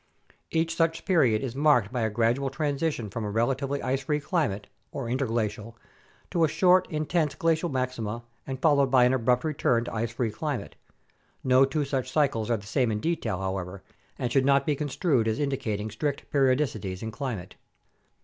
Each such period is marked by a gradual transition from a relatively ice free climate (or interglacial) to a short, intense glacial maxima and followed by an abrupt return to ice free climate. No two such cycles are the same in detail, however, and should not be construed as indicating strict periodicities in climate.